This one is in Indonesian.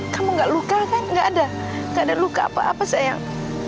kamu gak luka kan gak ada luka apa apa sayang